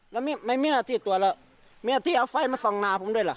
แล้วไม่มีหน้าที่ตัวแล้วมีหน้าที่เอาไฟมาส่องหน้าผมด้วยล่ะ